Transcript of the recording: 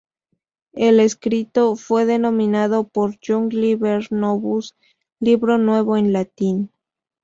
El escrito fue denominado por Jung Liber Novus, Libro Nuevo en latín.